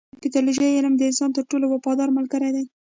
د پیتالوژي علم د انسان تر ټولو وفادار ملګری دی.